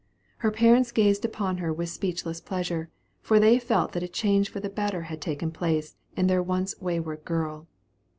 Her parents gazed upon her with speechless pleasure, for they felt that a change for the better had taken place in their once wayward girl.